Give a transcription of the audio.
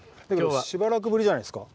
しばらくぶりじゃないですか。